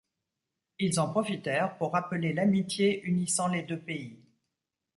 Ils en profitèrent pour rappeler l'amitié unissant les deux pays.